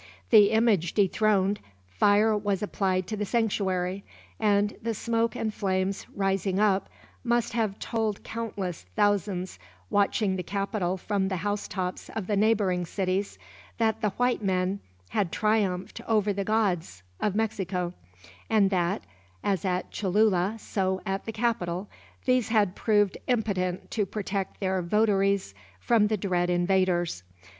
The image dethroned, fire was applied to the sanctuary; and the smoke and flames, rising up, must have told countless thousands, watching the capital from the housetops of the neighboring cities, that the white men had triumphed over the gods of Mexico; and that, as at Cholula so at the capital, these had proved impotent to protect their votaries from the dread invaders.